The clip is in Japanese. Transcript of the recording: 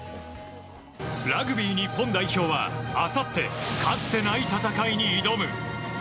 ラグビー日本代表はあさってかつてない戦いに挑む。